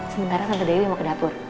sebentar tante dewi mau ke dapur